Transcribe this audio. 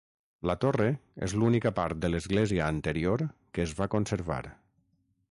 La torre és l'única part de l'església anterior que es va conservar.